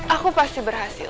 aku pasti berhasil